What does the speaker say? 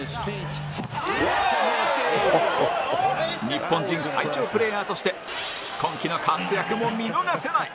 日本人最長プレーヤーとして今季の活躍も見逃せない！